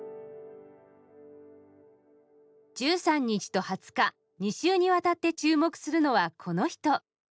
１３日と２０日２週にわたって注目するのはこの人。